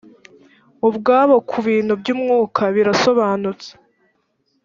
ubwabo ku bintu by’umwuka birasobanutse